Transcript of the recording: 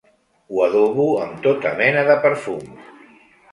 Ho adobo amb tota mena de perfums.